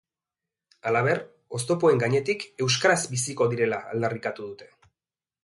Halaber, oztopoen gainetik euskaraz biziko direla aldarrikatu dute.